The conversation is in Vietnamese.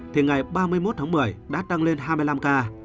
thì ngày ba mươi một tháng một mươi đã tăng lên hai mươi năm ca